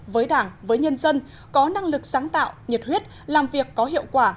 với đảng với nhân dân có năng lực sáng tạo nhiệt huyết làm việc có hiệu quả